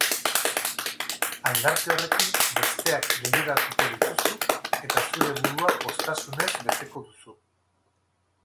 Aldarte horrekin besteak liluratuko dituzu, eta zure burua poztasunez beteko duzu.